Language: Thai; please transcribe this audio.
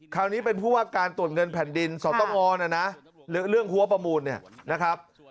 คราวนี้เป็นผู้ว่าการตรวจเงินแผ่นดินสตงนะนะเรื่องหัวประมูลเนี่ยนะครับ